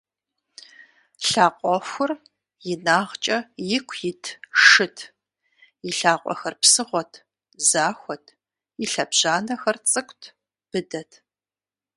Лъакъуэхур инагъкӀэ ику ит шыт: и лъакъуэхэр псыгъуэт, захуэт, и лъэбжьанэхэр цӀыкӀут, быдэт.